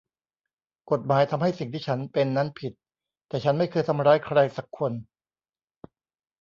กฎหมายทำให้สิ่งที่ฉันเป็นนั้นผิด แต่ฉันไม่เคยทำร้ายใครสักคน